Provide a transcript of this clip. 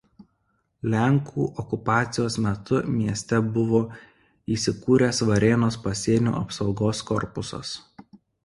Lenkų okupacijos metu mieste buvo įsikūręs Varėnos pasienio apsaugos korpusas.